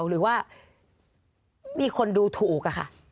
หรือว่ามีคนดูถูกค่ะ